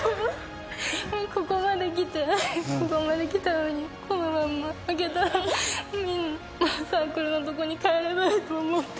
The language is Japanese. ここまできてここまできたのにこのまんま負けたらサークルのとこに帰れないと思って。